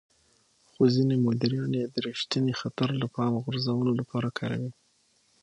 خو ځينې مديران يې د رېښتيني خطر له پامه غورځولو لپاره کاروي.